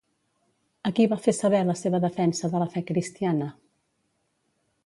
A qui va fer saber la seva defensa de la fe cristiana?